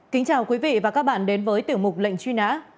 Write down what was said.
xin chào quý vị và các bạn đến với tiểu mục lệnh truy năng